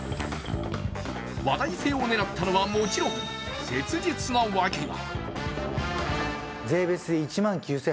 話題性を狙ったのはもちろん切実なワケが。